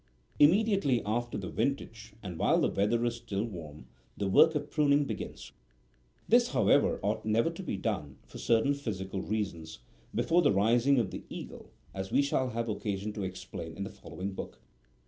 Immediately after44 the vintage, and while the weather is still warm, the work of pruning45 begins ; this, however, ought never to be done, for certain physical reasons,46 before the rising of the Eagle, as we shall have occasion to explain in the following Book.